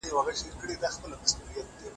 یو څاڅکی اوبه هم ارزښت لري.